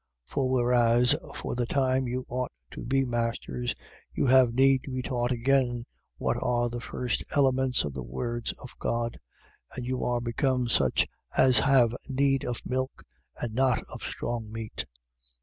5:12. For whereas for the time you ought to be masters, you have need to be taught again what are the first elements of the words of God: and you are become such as have need of milk and not of strong meat.